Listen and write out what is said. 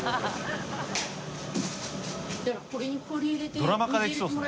ドラマ化できそうですね。